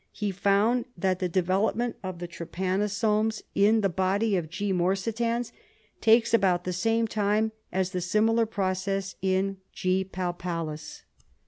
He found that the development of the trypanosomes in the body of G. morsitans takes about the same time as the similar process in G. palpalis.